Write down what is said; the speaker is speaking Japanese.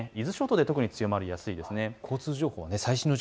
伊豆諸島で特に強まりやすいです。